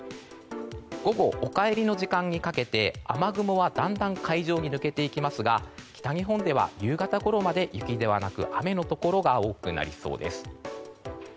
午後、お帰りの時間にかけて雨雲はだんだん海上に抜けていきますが北日本では夕方ごろまで雪ではなく雨のところが多くなりそうです。